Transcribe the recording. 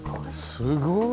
すごい！